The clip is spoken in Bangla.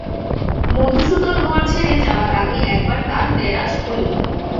মধুসূদন ঘর ছেড়ে যাবার আগে একবার তার দেরাজ খুললে।